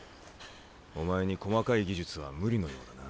お前に細かい技術は無理のようだな。